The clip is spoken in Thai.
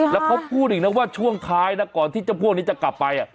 แล้วเขาพูดอีกนะว่าช่วงท้ายนะก่อนที่เจ้าพวกนี้จะกลับไป